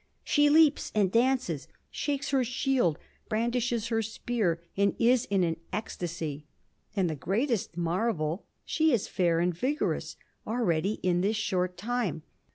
She leaps and dances, shakes her shield, brandishes her spear, and is in an ecstasy. And the greatest marvel, she is fair and vigorous already in this short time.